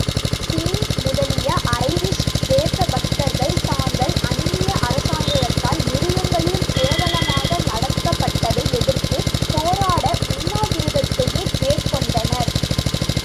ஸின் முதலிய ஐரிஷ் தேசபக்தர்கள் தாங்கள் அந்நிய அரசாங்கத்தால் மிருகங்களிலும் கேவலமாக நடக்கப்பட்டதை எதிர்த்துப் போராட உண்ணாவிரதத்தையே மேற்கொண்டனர்.